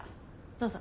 どうぞ。